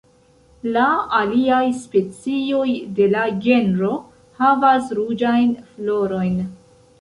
La aliaj specioj de la genro havas ruĝajn florojn.